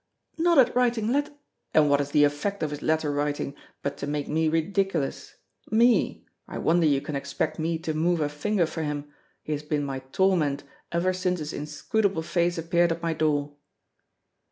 "Not at writing let " "And what is the effect of his letter writing, but to make me ridiculous? Me! I wonder you can expect me to move a finger for him, he has been my torment ever since his inscrutable face appeared at my door."